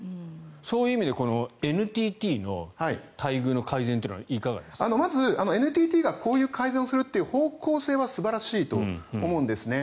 そういう意味でＮＴＴの待遇の改善というのはまずＮＴＴがこういう改善をするという方向性は素晴らしいと思うんですね。